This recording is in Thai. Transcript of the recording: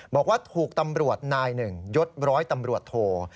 บอกว่าถูกตำรวจนายหนึ่งยดร้อยตำรวจโท